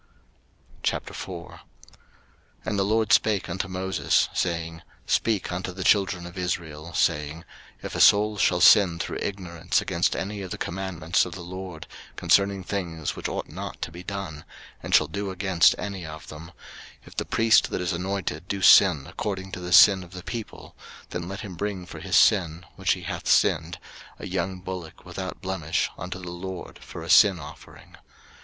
03:004:001 And the LORD spake unto Moses, saying, 03:004:002 Speak unto the children of Israel, saying, If a soul shall sin through ignorance against any of the commandments of the LORD concerning things which ought not to be done, and shall do against any of them: 03:004:003 If the priest that is anointed do sin according to the sin of the people; then let him bring for his sin, which he hath sinned, a young bullock without blemish unto the LORD for a sin offering.